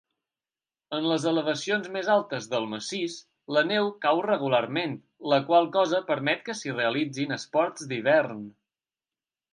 En les elevacions més altes del massís, la neu cau regularment, la qual cosa permet que s'hi realitzin esports d'hivern.